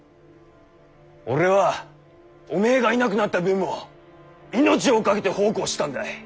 俺はおめぇがいなくなった分も命をかけて奉公してたんだ！